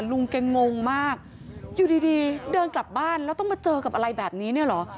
ลุงแกงงมากอยู่ดีเดินกลับบ้านแล้วต้องมาเจอกับอะไรแบบนี้เนี่ยเหรอ